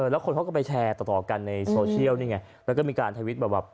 แล้วคนเขาก็ไปแชร์ต่อกันในโซเชียลนี่ไงแล้วก็มีการทวิตแบบว่า